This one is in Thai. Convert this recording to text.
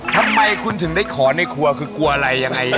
ทำไมคุณถึงได้ขอในครัวคือกลัวอะไรยังไง